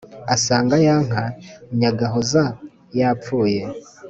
asanga ya nka nyagahoza yapfuye,